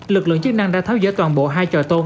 lực lượng chức năng đã tháo dỡ toàn bộ hai trò tôn